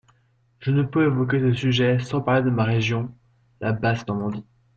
Je ne peux évoquer ce sujet sans parler de ma région, la Basse-Normandie.